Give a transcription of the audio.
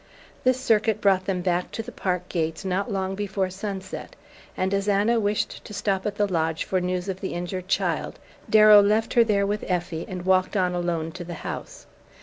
This circuit brought them back to the park gates not long before sunset, and as Anna wished to stop at the lodge for news of the injured child Darrow left her there with Effie and walked on alone to the house.